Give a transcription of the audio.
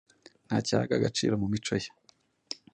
ntacyo yahaga agaciro mu mico ye,